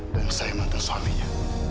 dan saya mantan suaminya